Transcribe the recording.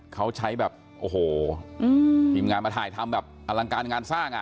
เขาใช้แบบโอ้โหทีมงานมาถ่ายทำแบบอลังการงานสร้างอ่ะ